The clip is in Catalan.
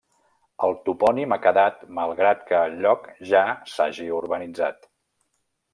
El topònim ha quedat, malgrat que el lloc ja s'hagi urbanitzat.